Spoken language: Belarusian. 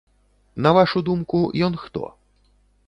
На вашу думку, ён хто?